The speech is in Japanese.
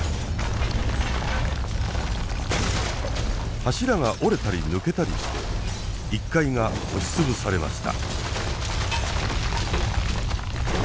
柱が折れたり抜けたりして１階が押し潰されました。